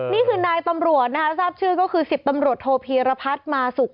นี่คือนายตำรวจนะคะทราบชื่อก็คือ๑๐ตำรวจโทพีรพัฒน์มาสุก